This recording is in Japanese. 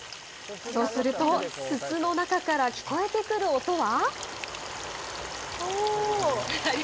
そうすると、筒の中から聞こえてくる音は。